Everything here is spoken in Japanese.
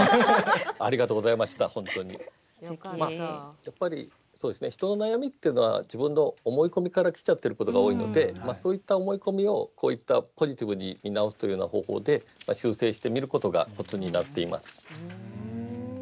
やっぱり人の悩みっていうのは自分の思い込みからきちゃっていることが多いのでそういった思い込みをポジティブに見直すという方法で修正してみることがコツになっています。